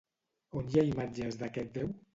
On hi ha imatges d'aquest déu?